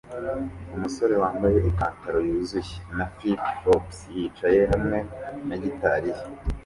Umusore wambaye ipantaro yuzuye na flip-flops yicaye hamwe na gitari ye